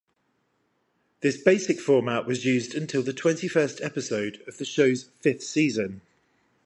This basic format was used until the twenty-first episode of the show's fifth season.